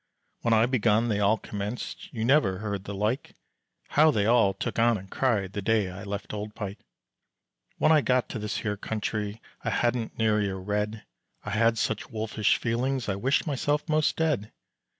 When I begun they all commenced, You never heard the like, How they all took on and cried The day I left old Pike. When I got to this here country I hadn't nary a red, I had such wolfish feelings I wished myself most dead.